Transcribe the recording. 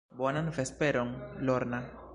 Bonan vesperon, Lorna.